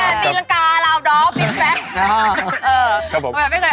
เอะตีรังกาเหล่าดอมบิ๊กแวะเออไม่เคยออกมาก่อน